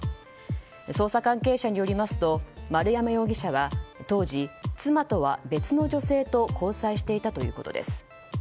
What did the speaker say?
捜査関係者によりますと丸山容疑者は当時、妻とは別の女性と交際していたということです。